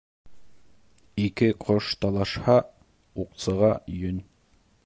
Ике ҡош талашһа, уҡсыға йөн.